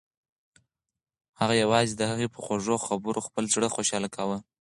هغه یوازې د هغې په خوږو خبرو خپل زړه خوشحاله کاوه.